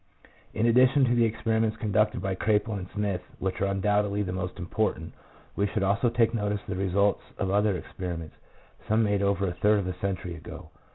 1 In addition to the experiments conducted by Kraepelin and Smith, which are undoubtedly the most important, we should also take notice of the results of other experiments, some made over a third of a century ago.